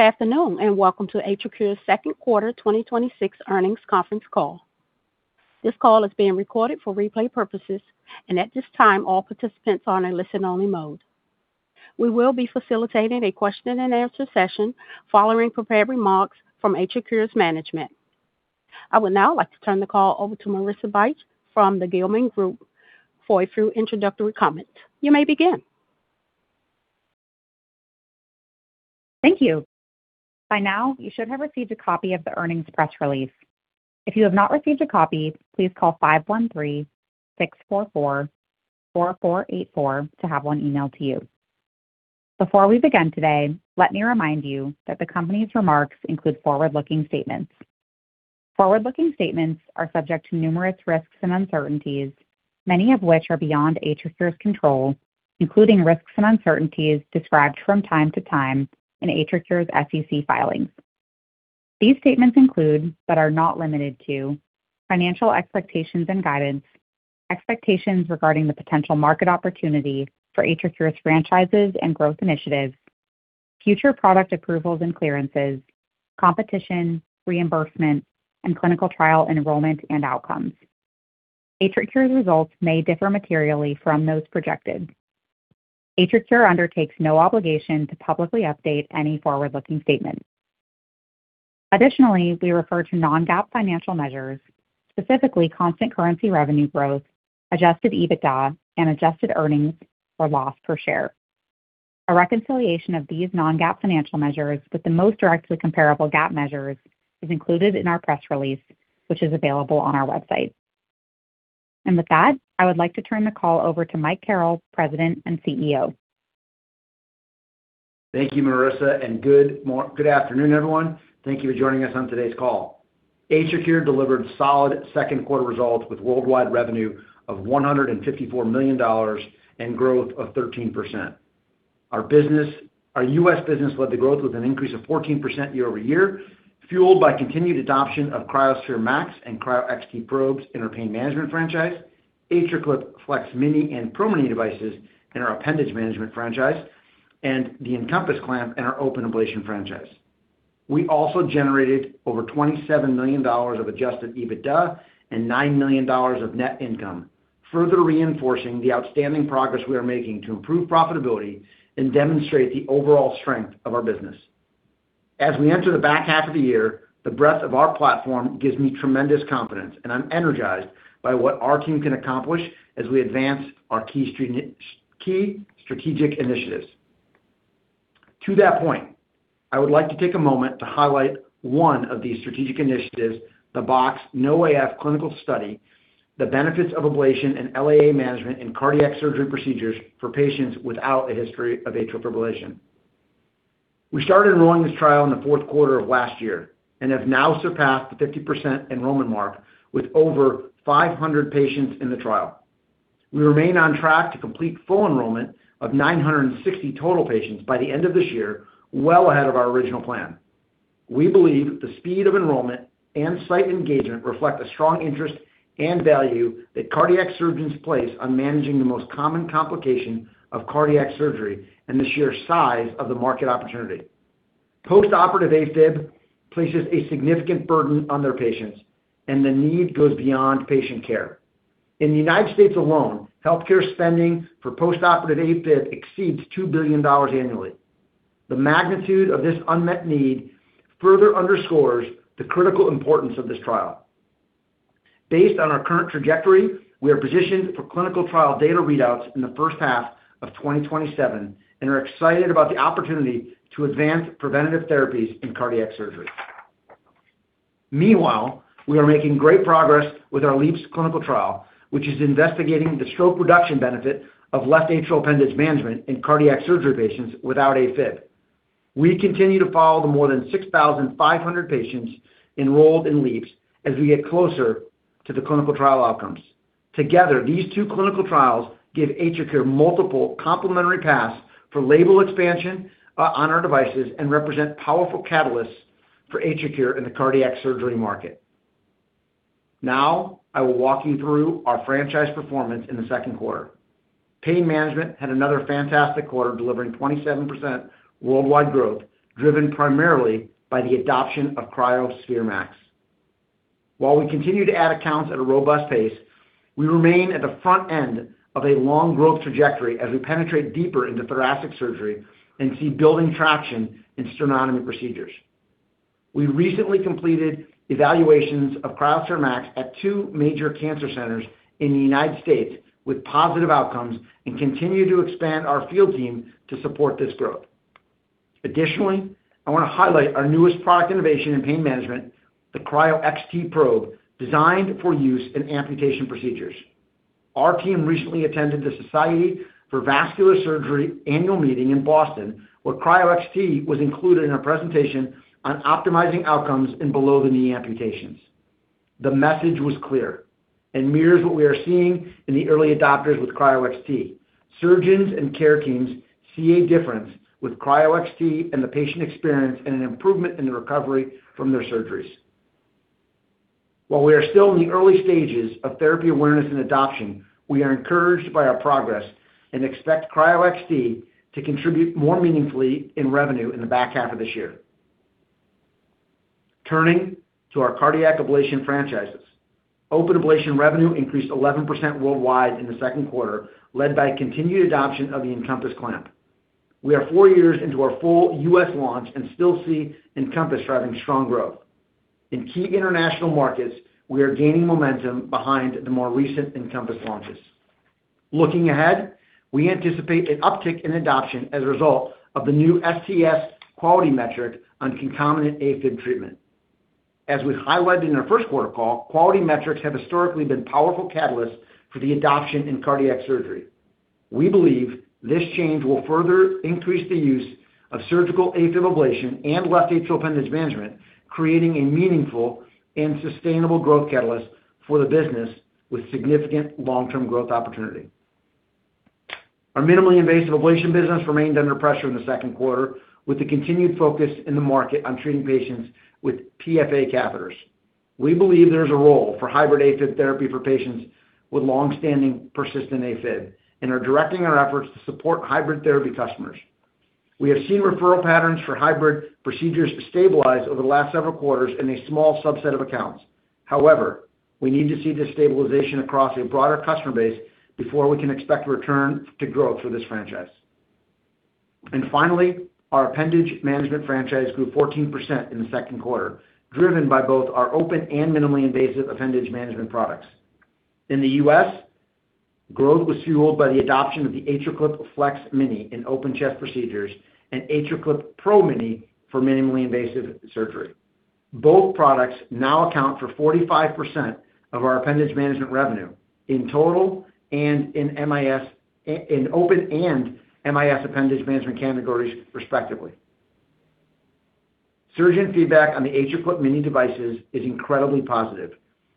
Good afternoon, welcome to AtriCure's Q2 2026 earnings conference call. This call is being recorded for replay purposes. At this time, all participants are in listen-only mode. We will be facilitating a question and answer session following prepared remarks from AtriCure's management. I would now like to turn the call over to Marissa Bych from the Gilmartin Group for a few introductory comments. You may begin. Thank you. By now, you should have received a copy of the earnings press release. If you have not received a copy, please call 513-644-4484 to have one emailed to you. Before we begin today, let me remind you that the company's remarks include forward-looking statements. Forward-looking statements are subject to numerous risks and uncertainties, many of which are beyond AtriCure's control, including risks and uncertainties described from time to time in AtriCure's SEC filings. These statements include, but are not limited to, financial expectations and guidance, expectations regarding the potential market opportunity for AtriCure's franchises and growth initiatives, future product approvals and clearances, competition, reimbursement, and clinical trial enrollment and outcomes. AtriCure's results may differ materially from those projected. AtriCure undertakes no obligation to publicly update any forward-looking statements. Additionally, we refer to non-GAAP financial measures, specifically constant currency revenue growth, adjusted EBITDA, and adjusted earnings or loss per share. A reconciliation of these non-GAAP financial measures with the most directly comparable GAAP measures is included in our press release, which is available on our website. With that, I would like to turn the call over to Michael Carrel, President and CEO. Thank you, Marissa, and good afternoon, everyone. Thank you for joining us on today's call. AtriCure delivered solid Q2 results with worldwide revenue of $154 million and growth of 13%. Our U.S. business led the growth with an increase of 14% year-over-year, fueled by continued adoption of CryoSphere MAX and cryoXT probes in our pain management franchise, AtriClip FLEX-Mini and PRO-Mini devices in our appendage management franchise, and the Encompass clamp in our open ablation franchise. We also generated over $27 million of adjusted EBITDA and $9 million of net income, further reinforcing the outstanding progress we are making to improve profitability and demonstrate the overall strength of our business. As we enter the back half of the year, the breadth of our platform gives me tremendous confidence, and I'm energized by what our team can accomplish as we advance our key strategic initiatives. To that point, I would like to take a moment to highlight one of these strategic initiatives, the BoxX-NoAF clinical study, the benefits of ablation and LAA management in cardiac surgery procedures for patients without a history of AFib. We started enrolling this trial in the fourth quarter of last year and have now surpassed the 50% enrollment mark with over 500 patients in the trial. We remain on track to complete full enrollment of 960 total patients by the end of this year, well ahead of our original plan. We believe the speed of enrollment and site engagement reflect a strong interest and value that cardiac surgeons place on managing the most common complication of cardiac surgery and the sheer size of the market opportunity. Post-operative AFib places a significant burden on their patients, and the need goes beyond patient care. In the U.S. alone, healthcare spending for post-operative AFib exceeds $2 billion annually. The magnitude of this unmet need further underscores the critical importance of this trial. Based on our current trajectory, we are positioned for clinical trial data readouts in the first half of 2027 and are excited about the opportunity to advance preventative therapies in cardiac surgery. Meanwhile, we are making great progress with our LeAAPS clinical trial, which is investigating the stroke reduction benefit of left atrial appendage management in cardiac surgery patients without AFib. We continue to follow the more than 6,500 patients enrolled in LeAAPS as we get closer to the clinical trial outcomes. Together, these two clinical trials give AtriCure multiple complementary paths for label expansion on our devices and represent powerful catalysts for AtriCure in the cardiac surgery market. Now, I will walk you through our franchise performance in the Q2. Pain management had another fantastic quarter, delivering 27% worldwide growth, driven primarily by the adoption of CryoSphere MAX. While we continue to add accounts at a robust pace, we remain at the front end of a long growth trajectory as we penetrate deeper into thoracic surgery and see building traction in sternotomy procedures. We recently completed evaluations of CryoSphere MAX at two major cancer centers in the U.S. with positive outcomes and continue to expand our field team to support this growth. Additionally, I want to highlight our newest product innovation in pain management, the CryoXT probe, designed for use in amputation procedures. Our team recently attended the Society for Vascular Surgery annual meeting in Boston, where CryoXT was included in a presentation on optimizing outcomes in below-the-knee amputations. The message was clear and mirrors what we are seeing in the early adopters with CryoXT. Surgeons and care teams see a difference with CryoXT in the patient experience and an improvement in the recovery from their surgeries. While we are still in the early stages of therapy awareness and adoption, we are encouraged by our progress and expect CryoXT to contribute more meaningfully in revenue in the back half of this year. Turning to our cardiac ablation franchises. Open ablation revenue increased 11% worldwide in the Q2, led by continued adoption of the Encompass clamp. We are four years into our full U.S. launch and still see Encompass driving strong growth. In key international markets, we are gaining momentum behind the more recent Encompass launches. Looking ahead, we anticipate an uptick in adoption as a result of the new STS quality metric on concomitant AFib treatment. As we highlighted in our Q1 call, quality metrics have historically been powerful catalysts for the adoption in cardiac surgery. We believe this change will further increase the use of surgical AFib ablation and left atrial appendage management, creating a meaningful and sustainable growth catalyst for the business with significant long-term growth opportunity. Our minimally invasive ablation business remained under pressure in the Q2 with the continued focus in the market on treating patients with PFA catheters. We believe there's a role for hybrid AFib therapy for patients with longstanding persistent AFib and are directing our efforts to support hybrid therapy customers. We have seen referral patterns for hybrid procedures stabilize over the last several quarters in a small subset of accounts. However, we need to see this stabilization across a broader customer base before we can expect return to growth for this franchise. Finally, our appendage management franchise grew 14% in the Q2, driven by both our open and minimally invasive appendage management products. In the U.S., growth was fueled by the adoption of the AtriClip FLEX-Mini in open chest procedures and AtriClip PRO-Mini for minimally invasive surgery. Both products now account for 45% of our appendage management revenue in total and in open and MIS appendage management categories, respectively. Surgeon feedback on the AtriClip mini devices is incredibly positive,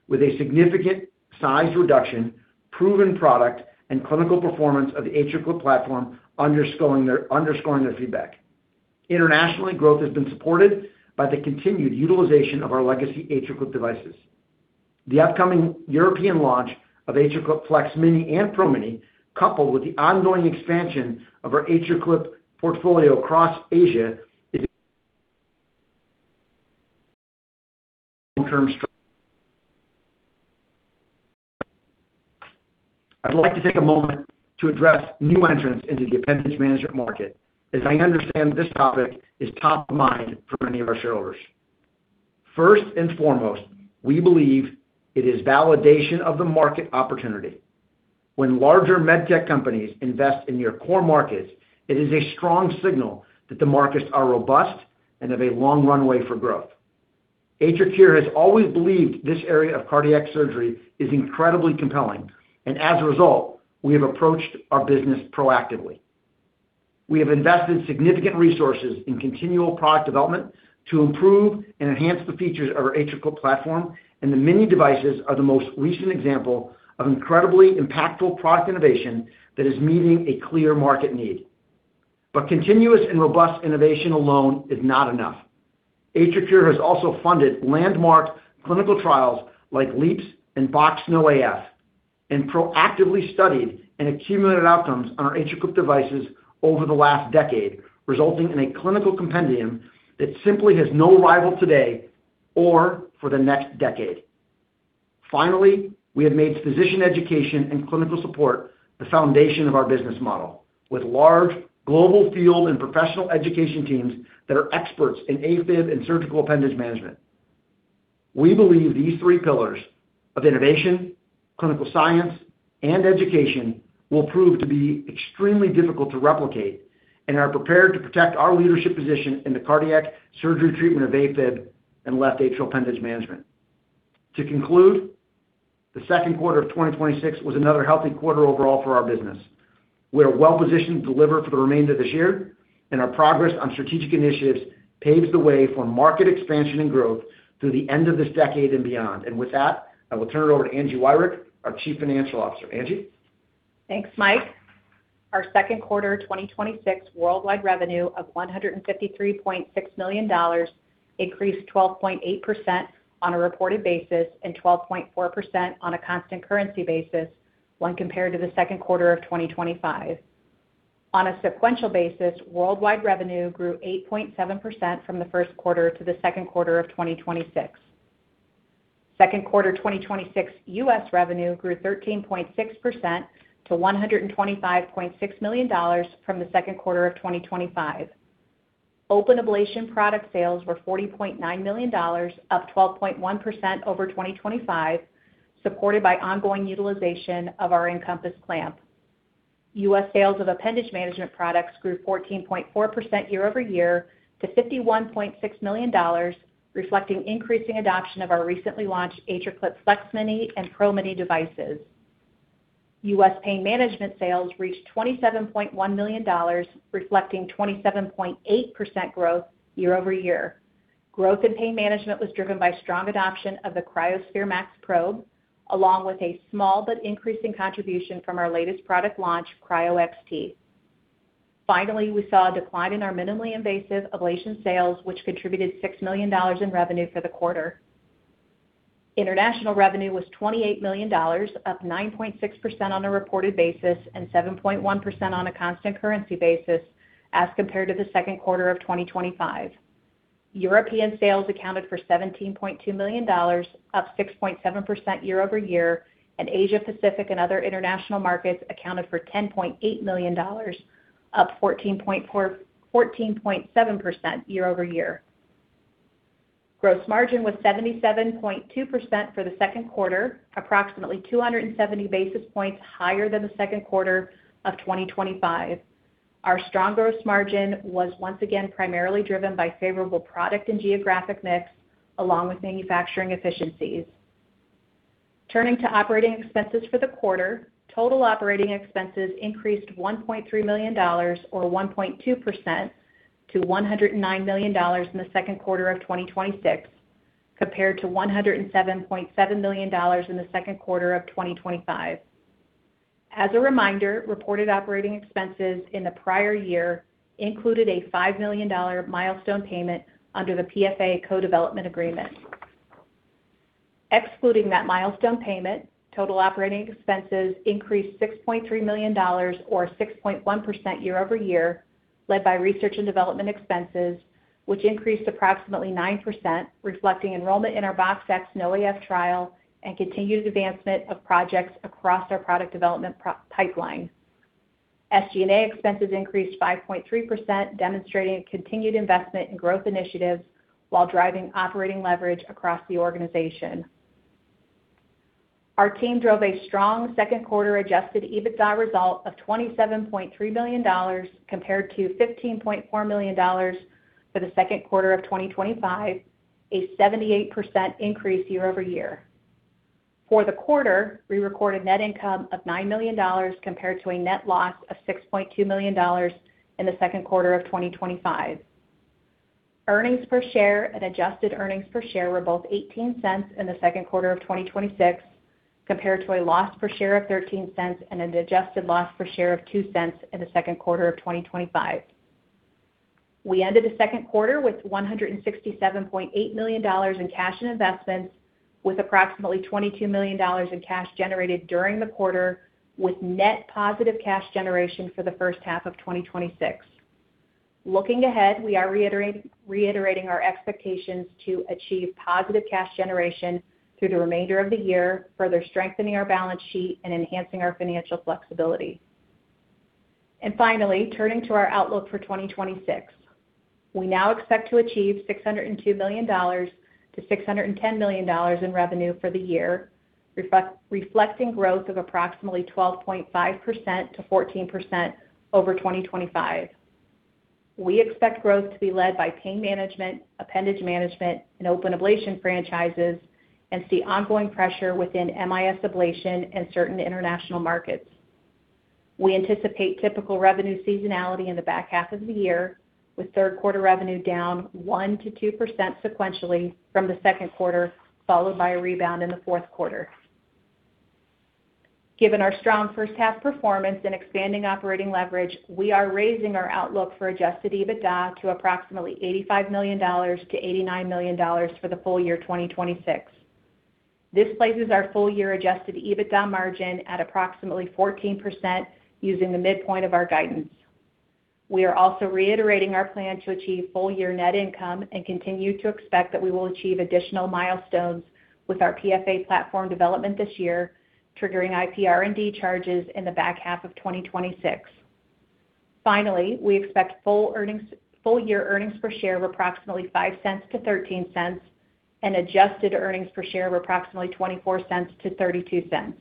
with a significant size reduction, proven product, and clinical performance of the AtriClip platform underscoring their feedback. Internationally, growth has been supported by the continued utilization of our legacy AtriClip devices. The upcoming European launch of AtriClip FLEX-Mini and PRO-Mini, coupled with the ongoing expansion of our AtriClip portfolio across Asia is long-term strategy. I'd like to take a moment to address new entrants into the appendage management market, as I understand this topic is top of mind for many of our shareholders. First and foremost, we believe it is validation of the market opportunity. When larger medtech companies invest in your core markets, it is a strong signal that the markets are robust and have a long runway for growth. AtriCure has always believed this area of cardiac surgery is incredibly compelling, and as a result, we have approached our business proactively. We have invested significant resources in continual product development to improve and enhance the features of the AtriClip platform, and the many devices are the most recent example of incredibly impactful product innovation that is meeting a clear market need. Continuous and robust innovation alone is not enough. AtriCure has also funded landmark clinical trials like LeAAPS and BoxX-NoAF and proactively studied and accumulated outcomes on our AtriClip devices over the last decade, resulting in a clinical compendium that simply has no rival today or for the next decade. Finally, we have made physician education and clinical support the foundation of our business model, with large global field and professional education teams that are experts in AFib and surgical appendage management. We believe these three pillars of innovation, clinical science, and education will prove to be extremely difficult to replicate and are prepared to protect our leadership position in the cardiac surgery treatment of AFib and left atrial appendage management. To conclude, the Q2 of 2026 was another healthy quarter overall for our business. We are well-positioned to deliver for the remainder of this year, our progress on strategic initiatives paves the way for market expansion and growth through the end of this decade and beyond. With that, I will turn it over to Angela Wirick, our Chief Financial Officer. Angela? Thanks, Mike. Our Q2 2026 worldwide revenue of $153.6 million increased 12.8% on a reported basis and 12.4% on a constant currency basis when compared to the Q2 of 2025. On a sequential basis, worldwide revenue grew 8.7% from the Q1 to the Q2 of 2026. Q2 2026 U.S. revenue grew 13.6% to $125.6 million from the Q2 of 2025. Open ablation product sales were $40.9 million, up 12.1% over 2025, supported by ongoing utilization of our Encompass clamp. U.S. sales of appendage management products grew 14.4% year-over-year to $51.6 million, reflecting increasing adoption of our recently launched AtriClip FLEX-Mini and PRO-Mini devices. U.S. pain management sales reached $27.1 million, reflecting 27.8% growth year-over-year. Growth in pain management was driven by strong adoption of the CryoSphere MAX probe, along with a small but increasing contribution from our latest product launch, CryoXT. Finally, we saw a decline in our minimally invasive ablation sales, which contributed $6 million in revenue for the quarter. International revenue was $28 million, up 9.6% on a reported basis and 7.1% on a constant currency basis as compared to the Q2 of 2025. European sales accounted for $17.2 million, up 6.7% year-over-year, and Asia Pacific and other international markets accounted for $10.8 million, up 14.7% year-over-year. Gross margin was 77.2% for the Q2, approximately 270 basis points higher than the Q2 of 2025. Our strong gross margin was once again primarily driven by favorable product and geographic mix along with manufacturing efficiencies. Turning to operating expenses for the quarter, total operating expenses increased $1.3 million or 1.2% to $109 million in the Q2 of 2026, compared to $107.7 million in the Q2 of 2025. As a reminder, reported operating expenses in the prior year included a $5 million milestone payment under the PFA co-development agreement. Excluding that milestone payment, total operating expenses increased $6.3 million or 6.1% year-over-year, led by research and development expenses, which increased approximately 9%, reflecting enrollment in our BoxX-NoAF trial and continued advancement of projects across our product development pipeline. SG&A expenses increased 5.3%, demonstrating continued investment in growth initiatives while driving operating leverage across the organization. Our team drove a strong Q2 adjusted EBITDA result of $27.3 million compared to $15.4 million for the Q2 of 2025, a 78% increase year-over-year. For the quarter, we recorded net income of $9 million compared to a net loss of $6.2 million in the Q2 of 2025. Earnings per share and adjusted earnings per share were both $0.18 in the Q2 of 2026 compared to a loss per share of $0.13 and an adjusted loss per share of $0.02 in the Q2 of 2025. We ended the Q2 with $167.8 million in cash and investments with approximately $22 million in cash generated during the quarter with net positive cash generation for the first half of 2026. Looking ahead, we are reiterating our expectations to achieve positive cash generation through the remainder of the year, further strengthening our balance sheet and enhancing our financial flexibility. Finally, turning to our outlook for 2026. We now expect to achieve $602 million-$610 million in revenue for the year, reflecting growth of approximately 12.5%-14% over 2025. We expect growth to be led by pain management, appendage management, and open ablation franchises, and see ongoing pressure within MIS ablation and certain international markets. We anticipate typical revenue seasonality in the back half of the year, with third quarter revenue down 1%-2% sequentially from the Q2, followed by a rebound in the fourth quarter. Given our strong first half performance and expanding operating leverage, we are raising our outlook for adjusted EBITDA to approximately $85 million-$89 million for the full year 2026. This places our full-year adjusted EBITDA margin at approximately 14% using the midpoint of our guidance. We are also reiterating our plan to achieve full-year net income and continue to expect that we will achieve additional milestones with our PFA platform development this year, triggering IPR&D charges in the back half of 2026. Finally, we expect full year earnings per share of approximately $0.05-$0.13 and adjusted earnings per share of approximately $0.24-$0.32.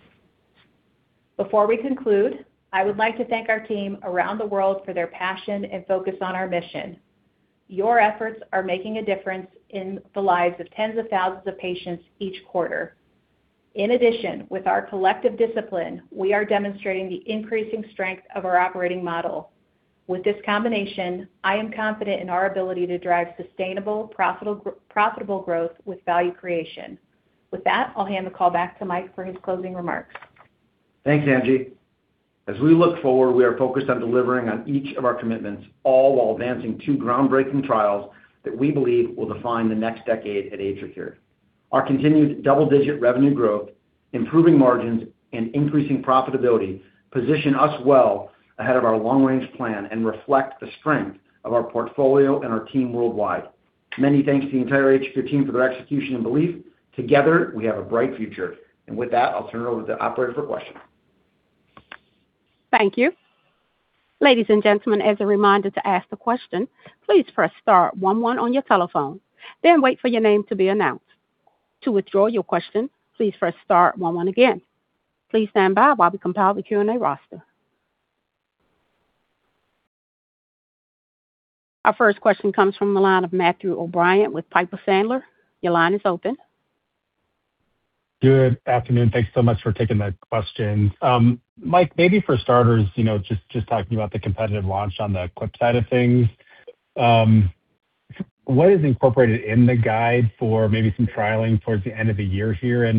Before we conclude, I would like to thank our team around the world for their passion and focus on our mission. Your efforts are making a difference in the lives of tens of thousands of patients each quarter. In addition, with our collective discipline, we are demonstrating the increasing strength of our operating model. With this combination, I am confident in our ability to drive sustainable profitable growth with value creation. With that, I'll hand the call back to Mike for his closing remarks. Thanks, Angie. As we look forward, we are focused on delivering on each of our commitments, all while advancing two groundbreaking trials that we believe will define the next decade at AtriCure. Our continued double-digit revenue growth, improving margins, and increasing profitability position us well ahead of our long-range plan and reflect the strength of our portfolio and our team worldwide. Many thanks to the entire AtriCure team for their execution and belief. Together, we have a bright future. With that, I'll turn it over to the operator for questions. Thank you. Ladies and gentlemen, as a reminder to ask a question, please press star one one on your telephone, then wait for your name to be announced. To withdraw your question, please press star one one again. Please stand by while we compile the Q&A roster. Our first question comes from the line of Matthew O'Brien with Piper Sandler. Your line is open. Good afternoon. Thanks so much for taking the questions. Mike, maybe for starters, just talking about the competitive launch on the Clip side of things. What is incorporated in the guide for maybe some trialing towards the end of the year here?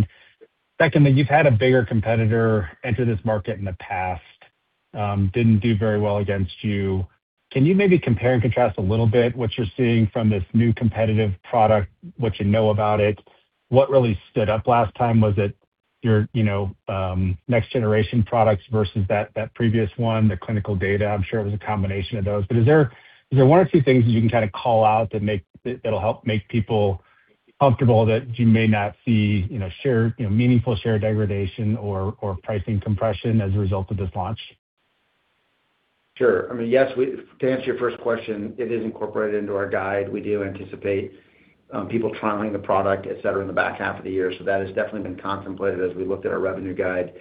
Secondly, you've had a bigger competitor enter this market in the past, didn't do very well against you. Can you maybe compare and contrast a little bit what you're seeing from this new competitive product, what you know about it? What really stood up last time? Was it your next generation products versus that previous one, the clinical data? I'm sure it was a combination of those. Is there one or two things that you can kind of call out that'll help make people comfortable that you may not see meaningful share degradation or pricing compression as a result of this launch? Sure. To answer your first question, it is incorporated into our guide. We do anticipate people trialing the product, et cetera, in the back half of the year. That has definitely been contemplated as we looked at our revenue guide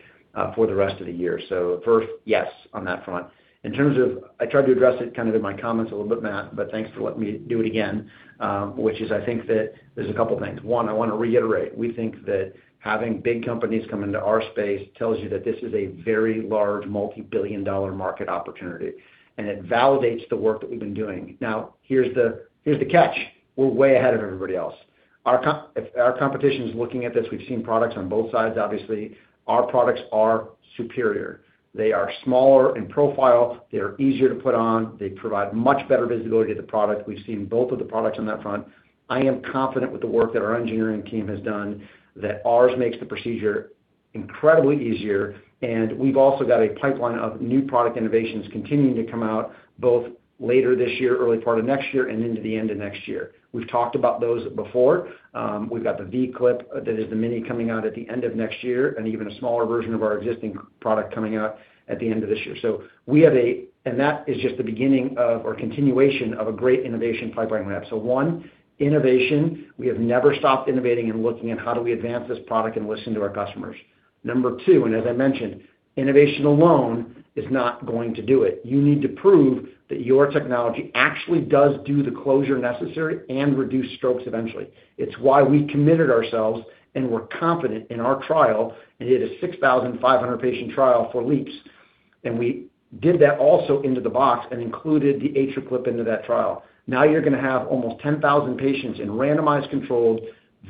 for the rest of the year. First, yes on that front. In terms of, I tried to address it kind of in my comments a little bit, Matt, thanks for letting me do it again, which is I think that there's a couple things. One, I want to reiterate, we think that having big companies come into our space tells you that this is a very large multi-billion dollar market opportunity, and it validates the work that we've been doing. Now, here's the catch. We're way ahead of everybody else. If our competition's looking at this, we've seen products on both sides, obviously. Our products are superior. They are smaller in profile. They're easier to put on. They provide much better visibility to the product. We've seen both of the products on that front. I am confident with the work that our engineering team has done, that ours makes the procedure incredibly easier, and we've also got a pipeline of new product innovations continuing to come out both later this year, early part of next year, and into the end of next year. We've talked about those before. We've got the V-Clip Mini coming out at the end of next year, and even a smaller version of our existing product coming out at the end of this year. That is just the beginning of, or continuation of a great innovation pipeline we have. One, innovation. We have never stopped innovating and looking at how do we advance this product and listen to our customers. Number two. As I mentioned, innovation alone is not going to do it. You need to prove that your technology actually does do the closure necessary and reduce strokes eventually. It's why we committed ourselves and were confident in our trial, and it is 6,500 patient trial for LeAAPS. We did that also into the box and included the AtriClip into that trial. Now you're going to have almost 10,000 patients in randomized, controlled,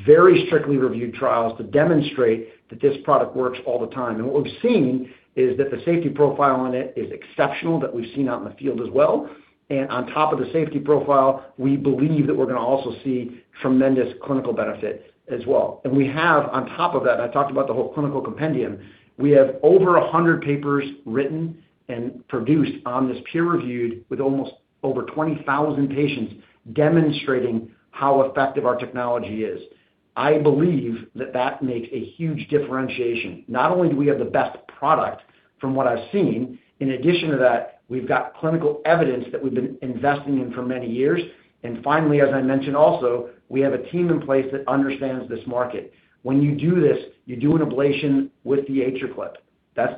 very strictly reviewed trials to demonstrate that this product works all the time. What we've seen is that the safety profile on it is exceptional, that we've seen out in the field as well. On top of the safety profile, we believe that we're going to also see tremendous clinical benefit as well. We have on top of that, I talked about the whole clinical compendium. We have over 100 papers written and produced on this peer-reviewed with almost over 20,000 patients, demonstrating how effective our technology is. I believe that that makes a huge differentiation. Not only do we have the best product from what I've seen, in addition to that, we've got clinical evidence that we've been investing in for many years. Finally, as I mentioned also, we have a team in place that understands this market. When you do this, you do an ablation with the AtriClip.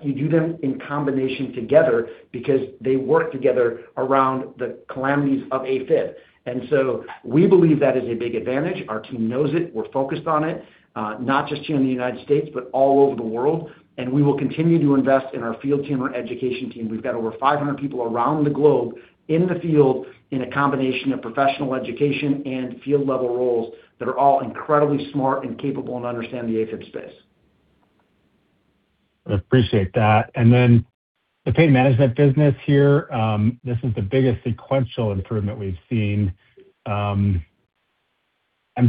You do them in combination together because they work together around the calamities of AFib. We believe that is a big advantage. Our team knows it. We're focused on it, not just here in the U.S., but all over the world. We will continue to invest in our field team, our education team. We've got over 500 people around the globe in the field in a combination of professional education and field level roles that are all incredibly smart and capable and understand the AFib space. I appreciate that. Then the pain management business here, this is the biggest sequential improvement we've seen. I'm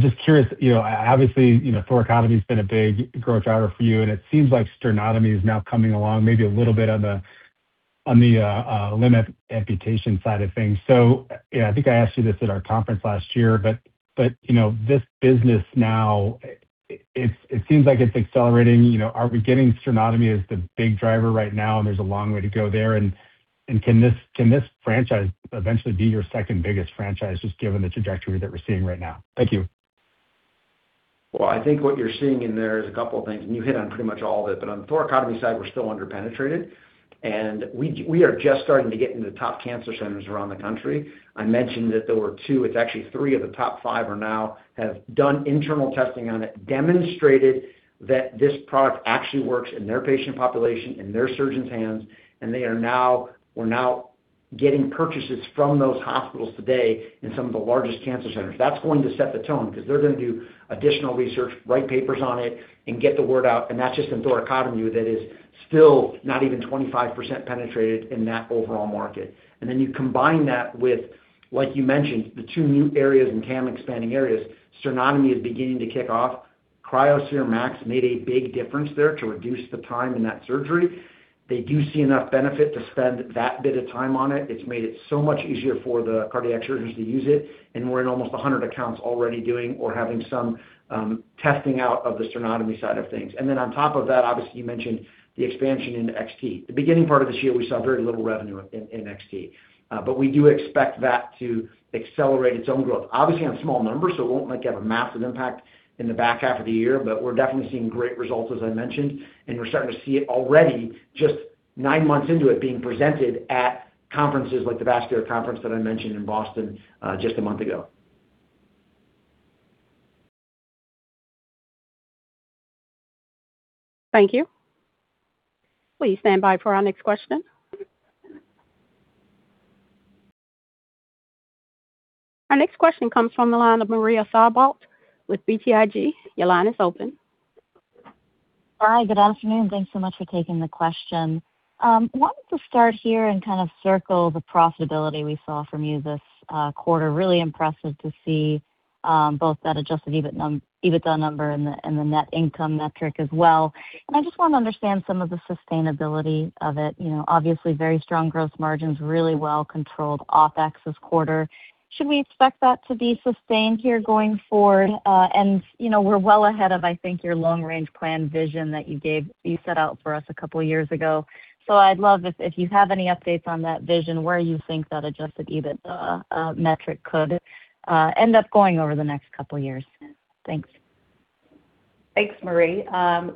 just curious, obviously, thoracotomy's been a big growth driver for you, and it seems like sternotomy is now coming along maybe a little bit on the limb amputation side of things. Yeah, I think I asked you this at our conference last year, but this business now, it seems like it's accelerating. Are we getting sternotomy as the big driver right now, and there's a long way to go there? Can this franchise eventually be your second biggest franchise, just given the trajectory that we're seeing right now? Thank you. I think what you're seeing in there is a couple of things, and you hit on pretty much all of it. On the thoracotomy side, we're still under-penetrated, and we are just starting to get into top cancer centers around the country. I mentioned that there were two. It's actually three of the top five now have done internal testing on it, demonstrated that this product actually works in their patient population, in their surgeons' hands, and we're now getting purchases from those hospitals today in some of the largest cancer centers. That's going to set the tone because they're going to do additional research, write papers on it, and get the word out, and that's just in thoracotomy that is still not even 25% penetrated in that overall market. You combine that with, like you mentioned, the two new areas and TAM expanding areas. Sternotomy is beginning to kick off. CryoSphere MAX made a big difference there to reduce the time in that surgery. They do see enough benefit to spend that bit of time on it. It's made it so much easier for the cardiac surgeons to use it, and we're in almost 100 accounts already doing or having some testing out of the sternotomy side of things. On top of that, obviously, you mentioned the expansion into XT. The beginning part of this year, we saw very little revenue in XT. We do expect that to accelerate its own growth. Obviously, on small numbers, so it won't have a massive impact in the back half of the year, but we're definitely seeing great results, as I mentioned, and we're starting to see it already just 9 months into it being presented at conferences like the vascular conference that I mentioned in Boston, just a month ago. Thank you. Please stand by for our next question. Our next question comes from the line of Marie Thibault with BTIG. Your line is open. Hi, good afternoon. Thanks so much for taking the question. I wanted to start here and kind of circle the profitability we saw from you this quarter. Really impressive to see both that adjusted EBITDA number and the net income metric as well. I just want to understand some of the sustainability of it. Obviously very strong gross margins, really well controlled OpEx this quarter. Should we expect that to be sustained here going forward? We're well ahead of, I think, your long-range plan vision that you set out for us a couple of years ago. I'd love if you have any updates on that vision, where you think that adjusted EBITDA metric could end up going over the next couple of years. Thanks. Thanks, Marie.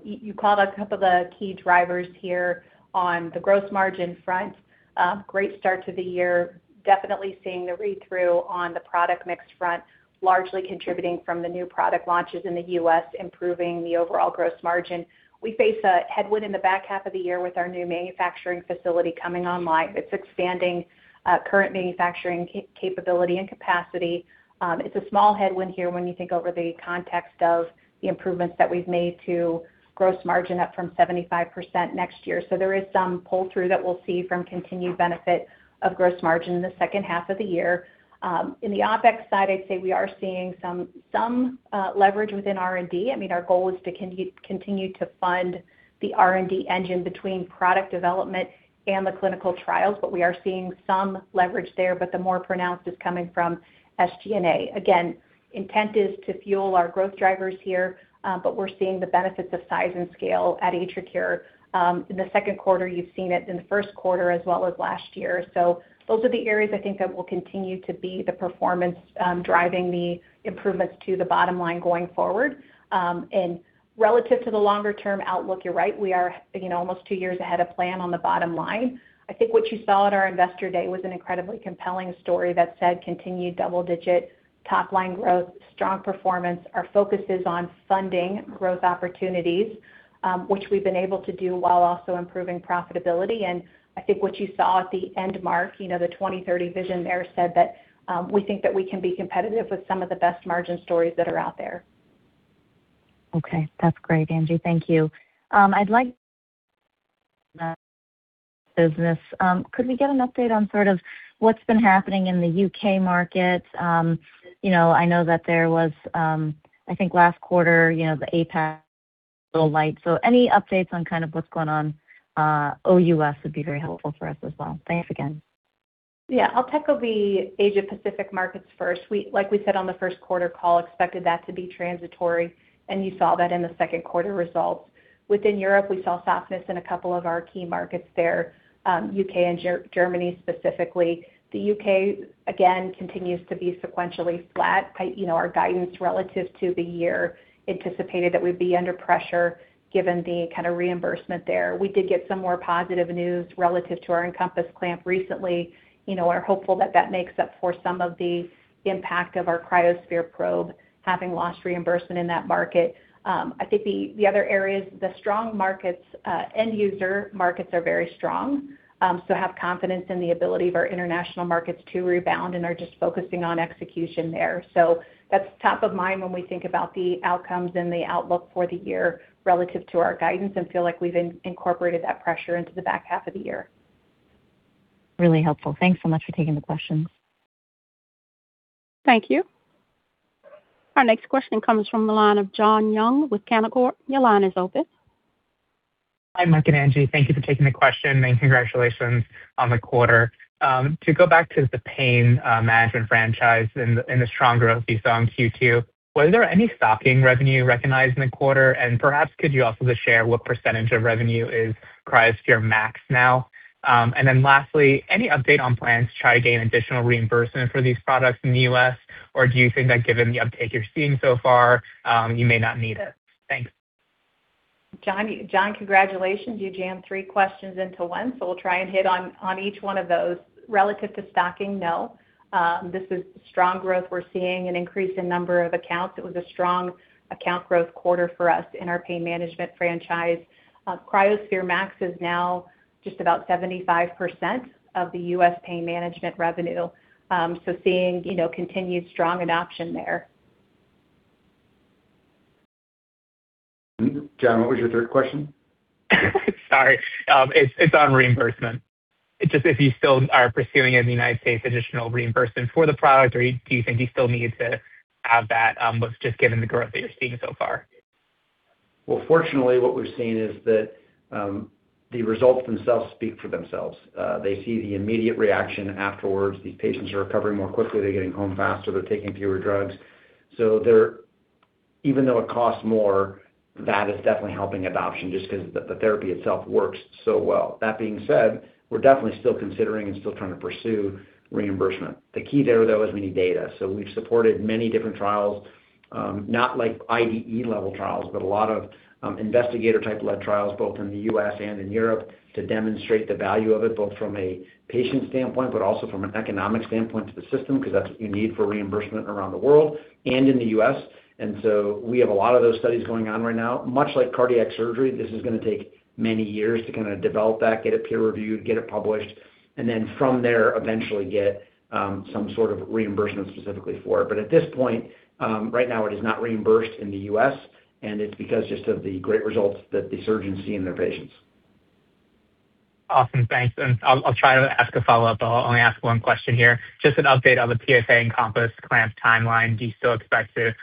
You called a couple of the key drivers here on the gross margin front. Great start to the year. Definitely seeing the read-through on the product mix front, largely contributing from the new product launches in the U.S., improving the overall gross margin. We face a headwind in the back half of the year with our new manufacturing facility coming online. It's expanding current manufacturing capability and capacity. It's a small headwind here when you think over the context of the improvements that we've made to gross margin up from 75% next year. There is some pull-through that we'll see from continued benefit of gross margin in the second half of the year. In the OpEx side, I'd say we are seeing some leverage within R&D. I mean, our goal is to continue to fund the R&D engine between product development and the clinical trials. The more pronounced is coming from SG&A. Intent is to fuel our growth drivers here, but we're seeing the benefits of size and scale at AtriCure in the Q2. You've seen it in the Q1 as well as last year. Those are the areas I think that will continue to be the performance driving the improvements to the bottom line going forward. Relative to the longer-term outlook, you're right, we are almost two years ahead of plan on the bottom line. I think what you saw at our Investor Day was an incredibly compelling story that said continued double-digit top-line growth, strong performance. Our focus is on funding growth opportunities, which we've been able to do while also improving profitability. I think what you saw at the end mark, the 2030 vision there said that we think that we can be competitive with some of the best margin stories that are out there. Okay. That's great, Angie. Thank you. Could we get an update on sort of what's been happening in the U.K. market? I know that there was, I think last quarter, the APAC little light. Any updates on kind of what's going on OUS would be very helpful for us as well. Thanks again. I'll tackle the Asia-Pacific markets first. Like we said on the Q1 call, expected that to be transitory, and you saw that in the Q2 results. Within Europe, we saw softness in a couple of our key markets there, U.K. and Germany specifically. The U.K., again, continues to be sequentially flat. Our guidance relative to the year anticipated that we'd be under pressure given the kind of reimbursement there. We did get some more positive news relative to our Encompass clamp recently. We're hopeful that that makes up for some of the impact of our CryoSphere probe having lost reimbursement in that market. I think the other areas, the strong markets, end user markets are very strong. Have confidence in the ability of our international markets to rebound and are just focusing on execution there. That's top of mind when we think about the outcomes and the outlook for the year relative to our guidance and feel like we've incorporated that pressure into the back half of the year. Really helpful. Thanks so much for taking the questions. Thank you. Our next question comes from the line of John Young with Canaccord. Your line is open. Hi, Mike and Angie. Thank you for taking the question, congratulations on the quarter. To go back to the pain management franchise and the strong growth we saw in Q2, was there any stocking revenue recognized in the quarter? Perhaps could you also just share what percentage of revenue is CryoSphere MAX now? Lastly, any update on plans to try to gain additional reimbursement for these products in the U.S.? Do you think that given the uptake you're seeing so far, you may not need it? Thanks. John, congratulations. You jammed three questions into one, we'll try and hit on each one of those. Relative to stocking, no. This is strong growth. We're seeing an increase in number of accounts. It was a strong account growth quarter for us in our pain management franchise. CryoSphere MAX is now just about 75% of the U.S. pain management revenue. Seeing continued strong adoption there. John, what was your third question? Sorry. It's on reimbursement. Just if you still are pursuing in the U.S. additional reimbursement for the product, or do you think you still need to have that, but just given the growth that you're seeing so far? Well, fortunately, what we're seeing is that the results themselves speak for themselves. They see the immediate reaction afterwards. These patients are recovering more quickly. They're getting home faster. They're taking fewer drugs. Even though it costs more, that is definitely helping adoption just because the therapy itself works so well. That being said, we're definitely still considering and still trying to pursue reimbursement. The key there, though, is we need data. We've supported many different trials. Not IDE level trials, but a lot of investigator type-led trials, both in the U.S. and in Europe, to demonstrate the value of it, both from a patient standpoint, but also from an economic standpoint to the system, because that's what you need for reimbursement around the world and in the U.S. We have a lot of those studies going on right now. Much like cardiac surgery, this is going to take many years to kind of develop that, get it peer reviewed, get it published. From there, eventually get some sort of reimbursement specifically for it. At this point, right now it is not reimbursed in the U.S. It's because just of the great results that the surgeons see in their patients. Awesome. Thanks. I'll try to ask a follow-up. I'll only ask one question here. Just an update on the PFA Encompass clamp timeline. Do you still expect to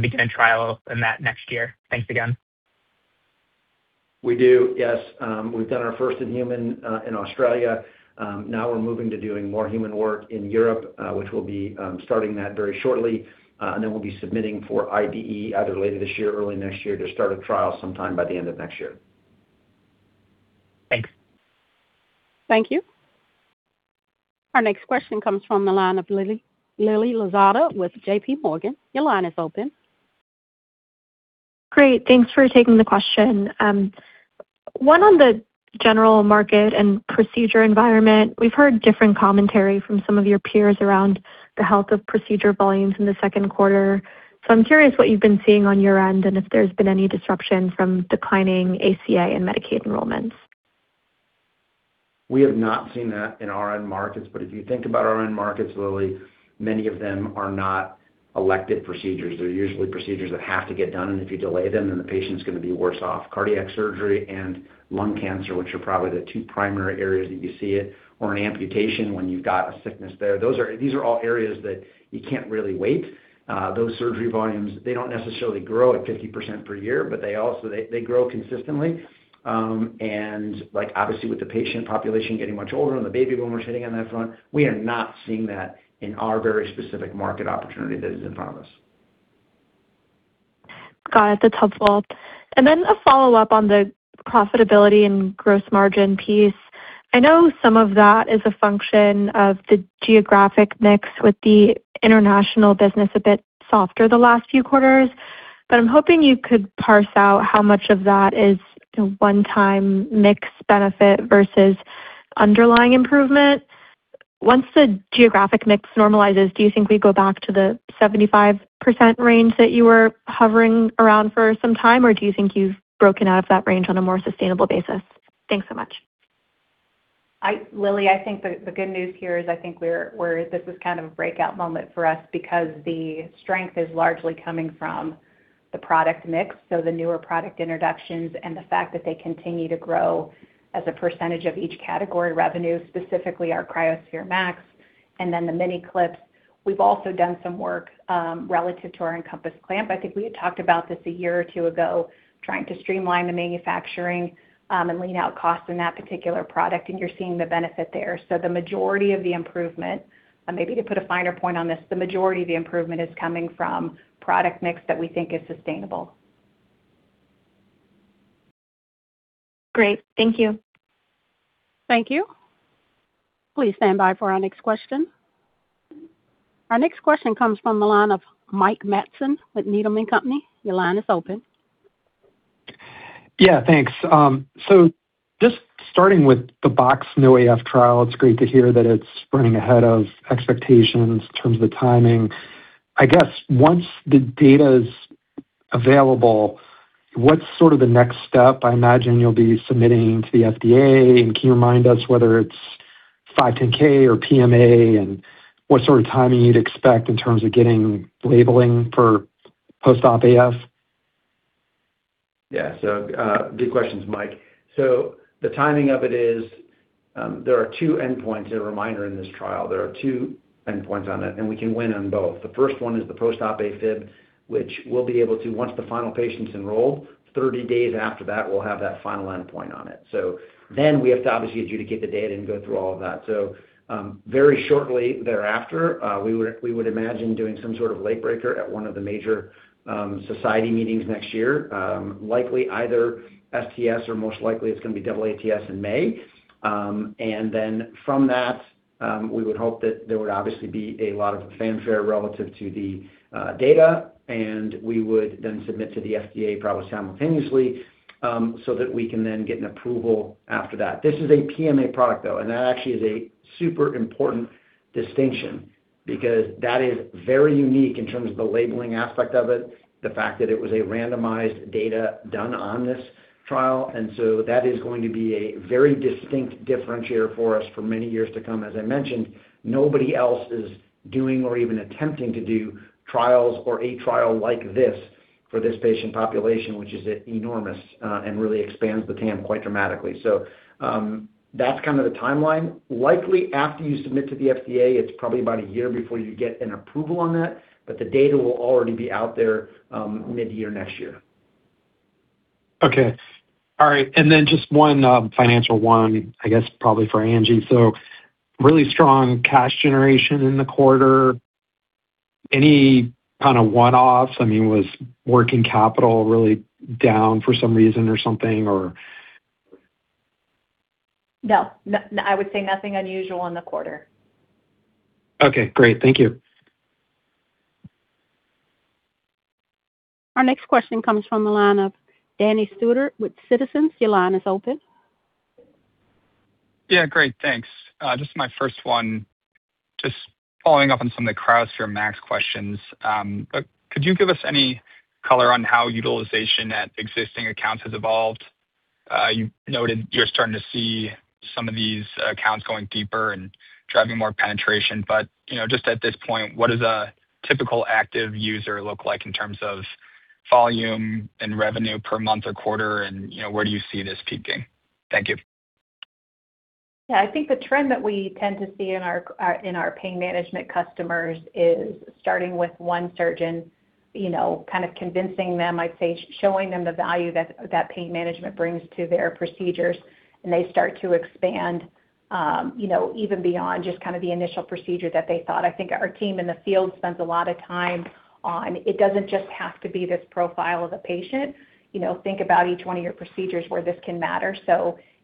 begin trial in that next year? Thanks again. We do, yes. We've done our first in human in Australia. Now we're moving to doing more human work in Europe, which we'll be starting that very shortly. Then we'll be submitting for IDE either later this year or early next year to start a trial sometime by the end of next year. Thanks. Thank you. Our next question comes from the line of Lily Lozada with JPMorgan. Your line is open. Great. Thanks for taking the question. One on the general market and procedure environment. We've heard different commentary from some of your peers around the health of procedure volumes in the Q2. I'm curious what you've been seeing on your end and if there's been any disruption from declining ACA and Medicaid enrollments. We have not seen that in our end markets, if you think about our end markets, Lily, many of them are not elected procedures. They're usually procedures that have to get done, and if you delay them, then the patient's going to be worse off. Cardiac surgery and lung cancer, which are probably the two primary areas that you see it, or an amputation when you've got a sickness there. These are all areas that you can't really wait. Those surgery volumes, they don't necessarily grow at 50% per year, but they grow consistently. Obviously with the patient population getting much older and the baby boomers hitting on that front, we are not seeing that in our very specific market opportunity that is in front of us. Got it. That is helpful. Then a follow-up on the profitability and gross margin piece. I know some of that is a function of the geographic mix with the international business a bit softer the last few quarters, but I am hoping you could parse out how much of that is one-time mix benefit versus underlying improvement. Once the geographic mix normalizes, do you think we go back to the 75% range that you were hovering around for some time, or do you think you have broken out of that range on a more sustainable basis? Thanks so much. Lily, I think the good news here is I think this is kind of a breakout moment for us because the strength is largely coming from the product mix, the newer product introductions and the fact that they continue to grow as a percentage of each category revenue, specifically our CryoSphere MAX, and then the Mini Clips. We have also done some work relative to our Encompass clamp. I think we had talked about this a year or two ago, trying to streamline the manufacturing and lean out costs in that particular product, and you are seeing the benefit there. The majority of the improvement, maybe to put a finer point on this, the majority of the improvement is coming from product mix that we think is sustainable. Great. Thank you. Thank you. Please stand by for our next question. Our next question comes from the line of Mike Matson with Needham & Company. Your line is open. Thanks. Just starting with the BoxX-NoAF trial, it's great to hear that it's running ahead of expectations in terms of the timing. I guess once the data's available, what's sort of the next step? I imagine you'll be submitting to the FDA. Can you remind us whether it's 510(k) or PMA and what sort of timing you'd expect in terms of getting labeling for post-op AFib? Good questions, Mike. The timing of it is there are two endpoints, as a reminder, in this trial. There are two endpoints on it, and we can win on both. The first one is the post-op AFib, which we'll be able to, once the final patient's enrolled, 30 days after that, we'll have that final endpoint on it. We have to obviously adjudicate the data and go through all of that. Very shortly thereafter, we would imagine doing some sort of late breaker at one of the major society meetings next year. Likely either STS or most likely it's going to be AATS in May. From that, we would hope that there would obviously be a lot of fanfare relative to the data, we would then submit to the FDA probably simultaneously, that we can then get an approval after that. This is a PMA product, though, and that actually is a super important distinction because that is very unique in terms of the labeling aspect of it, the fact that it was a randomized data done on this trial. That is going to be a very distinct differentiator for us for many years to come. As I mentioned, nobody else is doing or even attempting to do trials or a trial like this for this patient population, which is enormous and really expands the TAM quite dramatically. That's kind of the timeline. Likely after you submit to the FDA, it's probably about a year before you get an approval on that, but the data will already be out there mid-year next year. Okay. All right. Just one financial one, I guess probably for Angie. Really strong cash generation in the quarter. Any kind of one-offs? Was working capital really down for some reason or something, or? No. I would say nothing unusual in the quarter. Okay, great. Thank you. Our next question comes from the line of Danny Stauder with Citizens. Your line is open. Great. Thanks. Just my first one, just following up on some of the CryoSphere MAX questions. Could you give us any color on how utilization at existing accounts has evolved? You noted you're starting to see some of these accounts going deeper and driving more penetration. Just at this point, what does a typical active user look like in terms of volume and revenue per month or quarter, and where do you see this peaking? Thank you. Yeah. I think the trend that we tend to see in our pain management customers is starting with one surgeon, kind of convincing them, I'd say, showing them the value that pain management brings to their procedures, and they start to expand, even beyond just the initial procedure that they thought. I think our team in the field spends a lot of time on it doesn't just have to be this profile of a patient. Think about each one of your procedures where this can matter.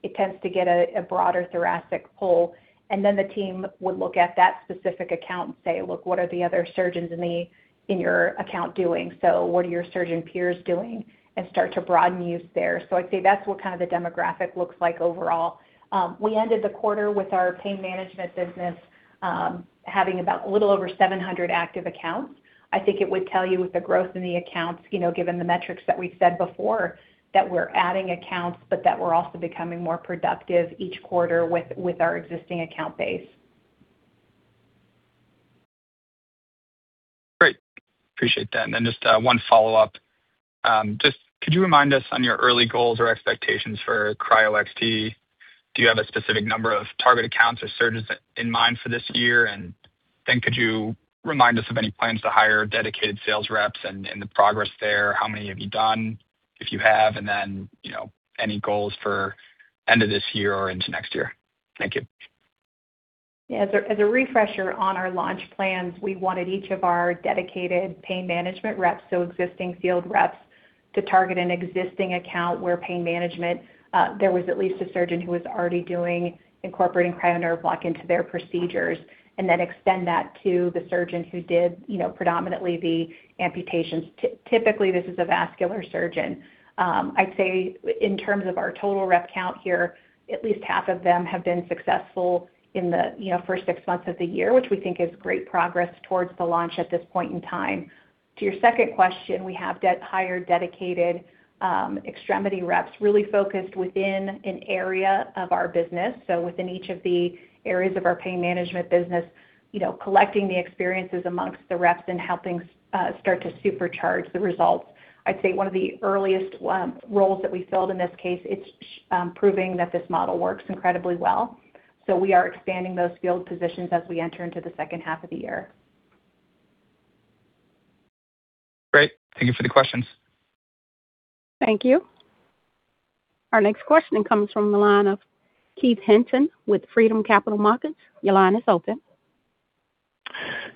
It tends to get a broader thoracic pull. The team would look at that specific account and say, "Look, what are the other surgeons in your account doing?" What are your surgeon peers doing, and start to broaden use there. I'd say that's what kind of the demographic looks like overall. We ended the quarter with our pain management business having about a little over 700 active accounts. I think it would tell you with the growth in the accounts, given the metrics that we've said before, that we're adding accounts, but that we're also becoming more productive each quarter with our existing account base. Great. Appreciate that. Just one follow-up. Just could you remind us on your early goals or expectations for cryoXT? Do you have a specific number of target accounts or surgeons in mind for this year? Could you remind us of any plans to hire dedicated sales reps and the progress there, how many have you done, if you have, any goals for end of this year or into next year? Thank you. Yeah. As a refresher on our launch plans, we wanted each of our dedicated pain management reps, so existing field reps, to target an existing account where pain management, there was at least a surgeon who was already doing incorporating cryoneuro block into their procedures, and then extend that to the surgeon who did predominantly the amputations. Typically, this is a vascular surgeon. I'd say in terms of our total rep count here, at least half of them have been successful in the first six months of the year, which we think is great progress towards the launch at this point in time. To your second question, we have hired dedicated extremity reps really focused within an area of our business. Within each of the areas of our pain management business, collecting the experiences amongst the reps and helping start to supercharge the results. I'd say one of the earliest roles that we filled in this case, it's proving that this model works incredibly well. We are expanding those field positions as we enter into the second half of the year. Great. Thank you for the questions. Thank you. Our next question comes from the line of Keith Hinton with Freedom Capital Markets. Your line is open.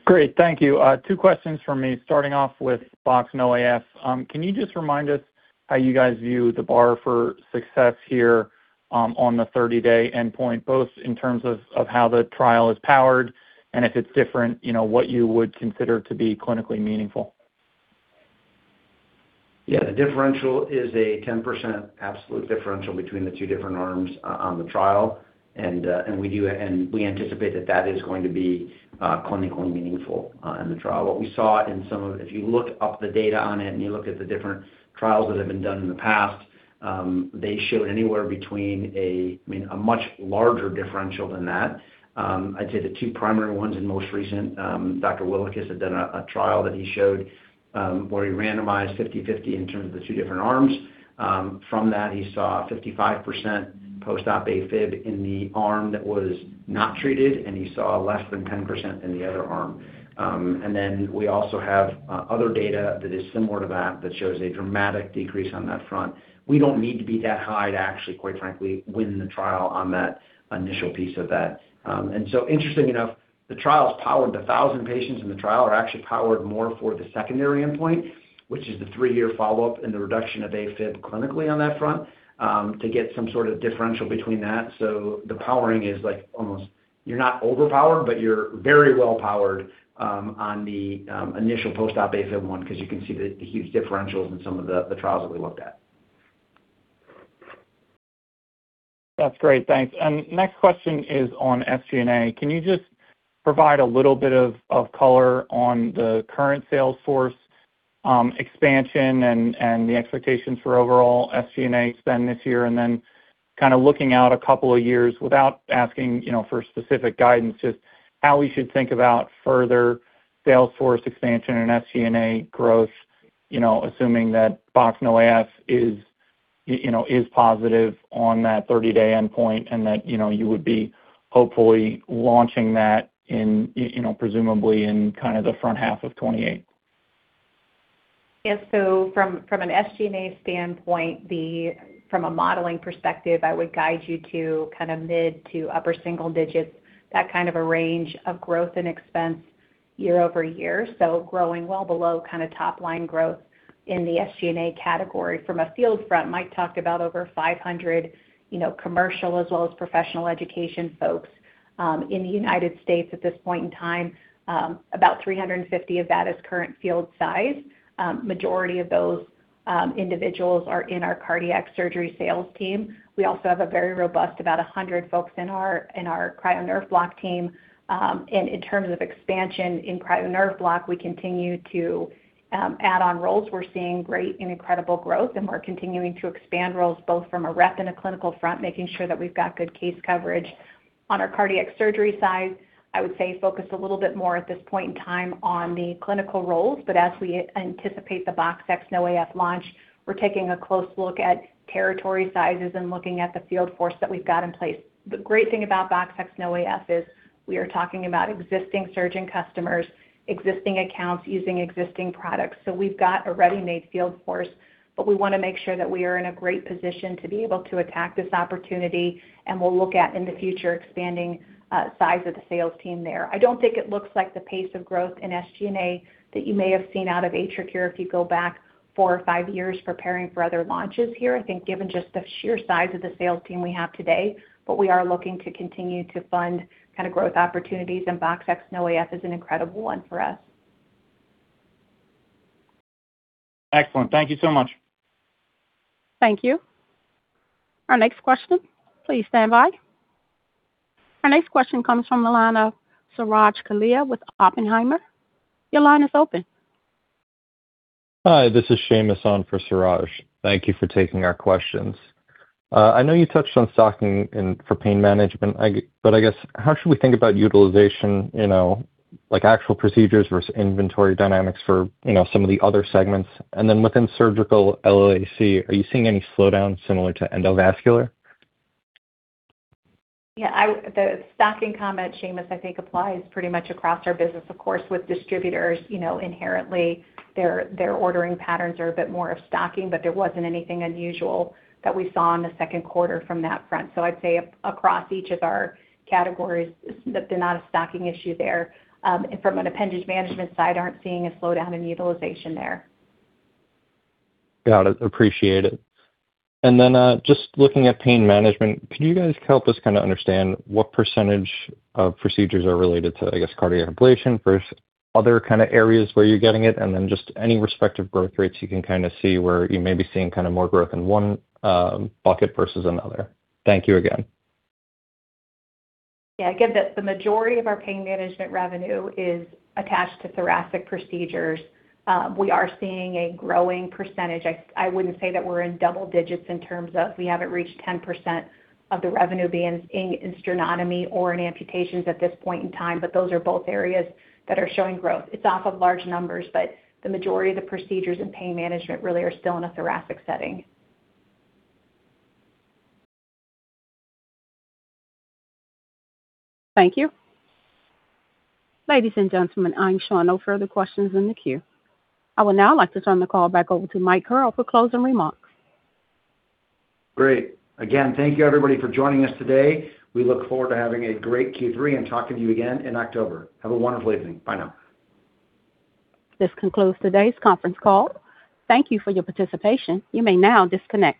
Great. Thank you. Two questions from me, starting off with BoxX-NoAF. Can you just remind us how you guys view the bar for success here on the 30-day endpoint, both in terms of how the trial is powered, and if it's different, what you would consider to be clinically meaningful? Yeah. The differential is a 10% absolute differential between the two different arms on the trial. We anticipate that that is going to be clinically meaningful on the trial. If you look up the data on it and you look at the different trials that have been done in the past, they showed anywhere between a much larger differential than that. I'd say the two primary ones and most recent, Dr. Willekes has done a trial that he showed, where he randomized 50/50 in terms of the two different arms. From that, he saw 55% post-op AFib in the arm that was not treated, and he saw less than 10% in the other arm. Then we also have other data that is similar to that shows a dramatic decrease on that front. We don't need to be that high to actually, quite frankly, win the trial on that initial piece of that. Interestingly enough, the trial's powered to 1,000 patients, and the trial are actually powered more for the secondary endpoint, which is the three-year follow-up and the reduction of AFib clinically on that front, to get some sort of differential between that. The powering is like almost, you're not overpowered, but you're very well-powered on the initial post-op AFib one because you can see the huge differentials in some of the trials that we looked at. That's great. Thanks. Next question is on SG&A. Can you just provide a little bit of color on the current sales force expansion and the expectations for overall SG&A spend this year? Then kind of looking out a couple of years without asking for specific guidance, just how we should think about further sales force expansion and SG&A growth, assuming that BoxX-NoAF is positive on that 30-day endpoint and that you would be hopefully launching that presumably in kind of the front half of 2028. Yes. From an SG&A standpoint, from a modeling perspective, I would guide you to mid to upper single digits, that kind of a range of growth in expense year-over-year. Growing well below kind of top line growth in the SG&A category. From a field front, Mike talked about over 500 commercial as well as professional education folks in the U.S. at this point in time. About 350 of that is current field size. Majority of those individuals are in our cardiac surgery sales team. We also have a very robust, about 100 folks in our cryoneurolysis team. In terms of expansion in cryoneurolysis, we continue to add on roles. We're seeing great and incredible growth, and we're continuing to expand roles both from a rep and a clinical front, making sure that we've got good case coverage. On our cardiac surgery side, I would say focused a little bit more at this point in time on the clinical roles, but as we anticipate the BoxX-NoAF launch, we're taking a close look at territory sizes and looking at the field force that we've got in place. The great thing about BoxX-NoAF is we are talking about existing surgeon customers, existing accounts using existing products. We've got a ready-made field force, but we want to make sure that we are in a great position to be able to attack this opportunity, and we'll look at, in the future, expanding size of the sales team there. I don't think it looks like the pace of growth in SG&A that you may have seen out of AtriCure if you go back four or five years preparing for other launches here, I think given just the sheer size of the sales team we have today. We are looking to continue to fund kind of growth opportunities, and BoxX-NoAF is an incredible one for us. Excellent. Thank you so much. Thank you. Our next question, please stand by. Our next question comes from the line of Suraj Kalia with Oppenheimer. Your line is open. Hi, this is Seamus on for Suraj. Thank you for taking our questions. I know you touched on stocking for pain management, I guess how should we think about utilization, like actual procedures versus inventory dynamics for some of the other segments? Within surgical LAA, are you seeing any slowdown similar to endovascular? The stocking comment, Seamus, I think applies pretty much across our business. Of course, with distributors, inherently their ordering patterns are a bit more of stocking, there wasn't anything unusual that we saw in the Q2 from that front. I'd say across each of our categories that they're not a stocking issue there. From an appendage management side, aren't seeing a slowdown in utilization there. Got it. Appreciate it. Just looking at pain management, can you guys help us kind of understand what percentage of procedures are related to, I guess, cardiac ablation versus other kind of areas where you're getting it? Just any respective growth rates you can kind of see where you may be seeing kind of more growth in one bucket versus another. Thank you again. Yeah. Again, the majority of our pain management revenue is attached to thoracic procedures. We are seeing a growing percentage. I wouldn't say that we're in double digits in terms of we haven't reached 10% of the revenue being in sternotomy or in amputations at this point in time, but those are both areas that are showing growth. It's off of large numbers, but the majority of the procedures in pain management really are still in a thoracic setting. Thank you. Ladies and gentlemen, I'm showing no further questions in the queue. I would now like to turn the call back over to Michael Carrel for closing remarks. Great. Again, thank you everybody for joining us today. We look forward to having a great Q3 and talking to you again in October. Have a wonderful evening. Bye now. This concludes today's conference call. Thank you for your participation. You may now disconnect.